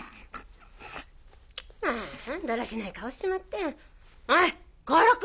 ああだらしない顔しちまっておい甲六！